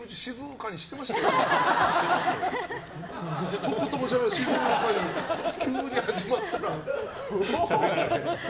ひと言もしゃべらなくて急に始まったら。